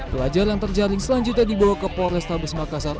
pelajar yang terjaring selanjutnya dibawa ke polrestabes makassar